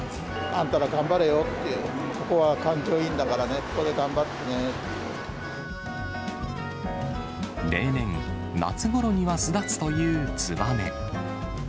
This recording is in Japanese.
あんたら頑張れよって、ここは環境いいんだからね、ここで頑張っ例年、夏ごろには巣立つというツバメ。